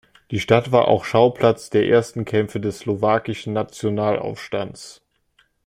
Die Stadt war auch Schauplatz der ersten Kämpfe des Slowakischen Nationalaufstands.